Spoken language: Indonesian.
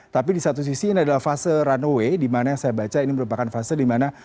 tapi di satu sisi ini adalah fase runway di mana yang saya baca ini merupakan fase di mana